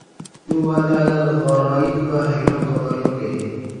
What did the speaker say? بۇ ۋەقەلەر غارايىپ ۋە ھەيران قالارلىق ئىدى.